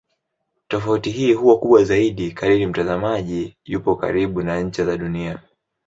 Tofauti hii huwa kubwa zaidi kadri mtazamaji yupo karibu na ncha za Dunia.